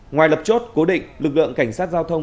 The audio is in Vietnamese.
ngoài lập chốt cố định lực lượng cảnh sát giao thông